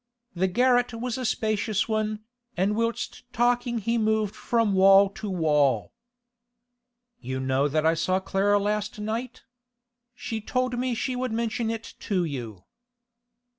The garret was a spacious one, and whilst talking he moved from wall to wall. 'You know that I saw Clara last night? She told me she should mention it to you.